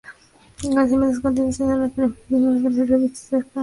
Sus contenidos continuaron en los primeros números de la revista Sargento Kirk.